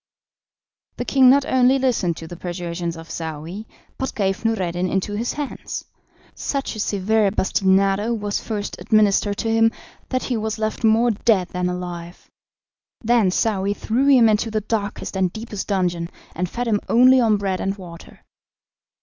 The king not only listened to the persuasions of Saouy, but gave Noureddin into his hands. Such a severe bastinado was first administered to him, that he was left more dead than alive; then Saouy threw him into the darkest and deepest dungeon, and fed him only on bread and water.